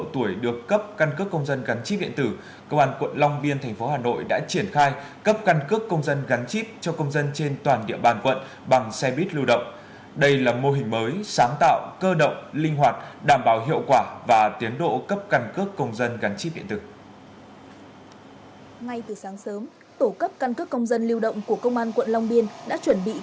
tổ cấp căn cước công dân liêu động của công an quận long biên đã chuẩn bị các trang thiết bị